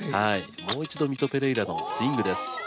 もう一度ミト・ペレイラのスイングです。